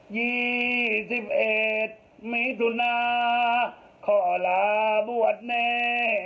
ยี่สิบเอ็ดมิถุนาขอลาบวชแน่